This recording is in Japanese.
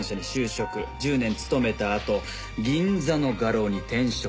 １０年勤めたあと銀座の画廊に転職。